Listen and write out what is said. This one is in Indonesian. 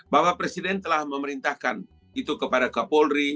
bapak presiden telah memerintahkan itu kepada kapolri